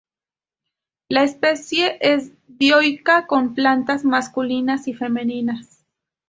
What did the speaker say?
La especie es dioica con plantas masculinas y femeninas.